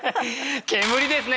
「煙」ですね